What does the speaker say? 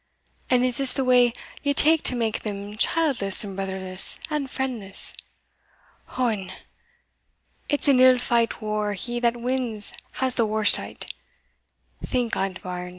and is this the way ye tak to make them childless and brotherless and friendless? Ohon! it's an ill feight whar he that wins has the warst o't. Think on't, bairns.